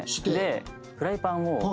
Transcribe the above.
フライパンを。